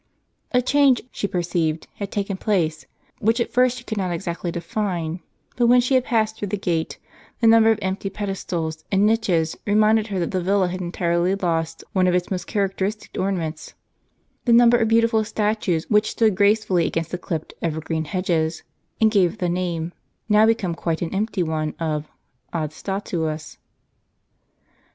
A change, she perceived, had taken place, which at first she could not exactly define ; but when she had passed through the gate, the number of empty pedestals and niches reminded her that the villa had entirely lost one of its most characteristic orna ments,— the number of beautiful statues which stood gracefully against the clipped evergreen hedges, and gave it the name, now become quite an empty one, of Ad Statuas* *" The Villa of Statues," or " at the Statues."